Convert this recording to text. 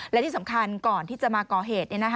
และที่สำคัญก่อนที่จะมาก่อเหตุ